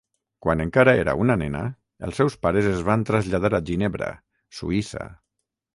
Quan encara era una nena, els seus pares es van traslladar a Ginebra, Suïssa.